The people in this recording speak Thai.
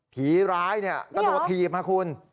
ผีร้ายกระโดดถีบนะคุณ